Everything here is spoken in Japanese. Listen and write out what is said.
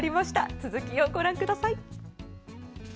続きをご覧ください。